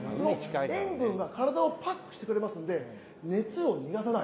塩分は体をパックしてくれますので熱を逃がさない。